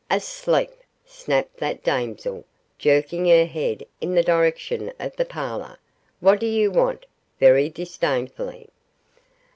'Asleep!' snapped that damsel, jerking her head in the direction of the parlour; 'what do you want?' very disdainfully.